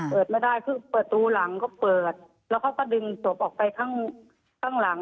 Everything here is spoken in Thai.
เปิดไม่ได้คือประตูหลังก็เปิดแล้วเขาก็ดึงศพออกไปข้างข้างหลัง